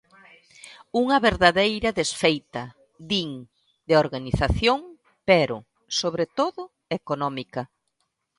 Unha verdadeira desfeita, din, de organización, pero, sobre todo, económica.